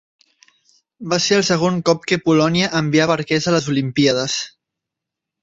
Va ser el segon cop que Polònia enviava arquers a les Olimpíades.